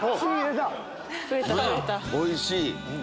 おいしい！